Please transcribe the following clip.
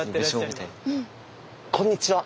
おこんにちは！